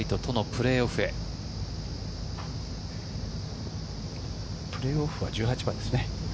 プレーオフは１８番ですね。